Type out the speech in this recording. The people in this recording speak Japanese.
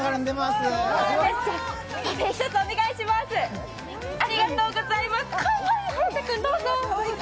かわいい、颯君どうぞ。